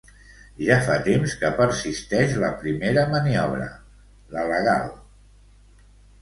Ja fa temps que persisteix la primera maniobra, la legal.